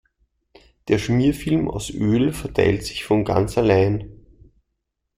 Der Schmierfilm aus Öl verteilt sich von ganz allein.